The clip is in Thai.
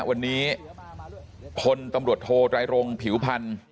วันนี้พลตำรวจโทไตรรงผิวพันธ์